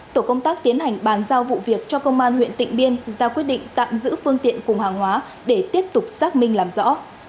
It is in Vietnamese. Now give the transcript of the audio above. tổ công tác tiến hành bàn giao vụ việc cho công an huyện tịnh biên ra quyết định tạm giữ phương tiện cùng hàng hóa để tiếp tục xác minh làm rõ